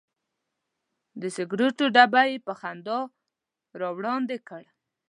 د سګرټو ډبی یې په خندا راوړاندې کړ.